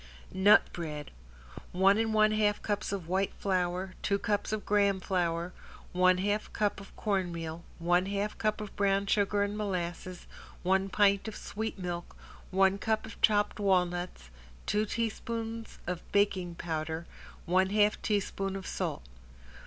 ~NUT BREAD~ One and one half cups of white flour, two cups of graham flour, one half cup of cornmeal, one half cup of brown sugar and molasses, one pint of sweet milk, one cup of chopped walnuts, two teaspoons of baking powder, one half teaspoon of salt.